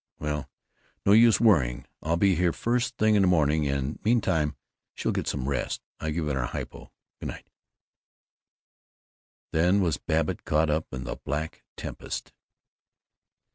Well, no use worrying. I'll be here first thing in the morning, and meantime she'll get some rest. I've given her a hypo. Good night." Then was Babbitt caught up in the black tempest.